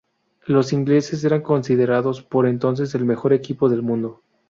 Los ingleses eran considerados por entonces el mejor equipo del mundo.